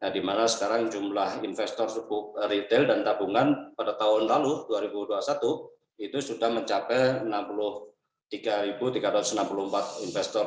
di mana sekarang jumlah investor cukup retail dan tabungan pada tahun lalu dua ribu dua puluh satu itu sudah mencapai enam puluh tiga tiga ratus enam puluh empat investor